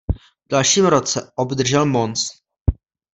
V dalším roce obdržel Mons.